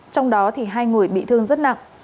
trong đó hai người bị thương rất nặng